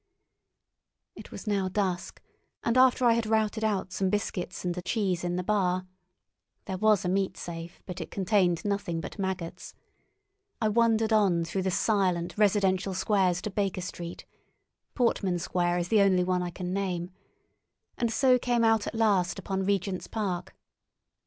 It was now dusk, and after I had routed out some biscuits and a cheese in the bar—there was a meat safe, but it contained nothing but maggots—I wandered on through the silent residential squares to Baker Street—Portman Square is the only one I can name—and so came out at last upon Regent's Park.